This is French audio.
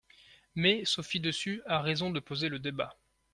Mais Sophie Dessus a raison de poser le débat.